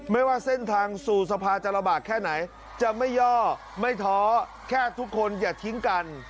ใบ่เสียดกันอะน่ะนะครับ